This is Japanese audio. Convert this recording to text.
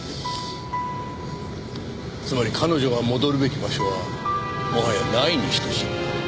つまり彼女が戻るべき場所はもはやないに等しいんだ。